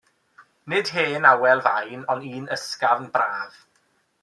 Nid hen awel fain, ond un ysgafn braf.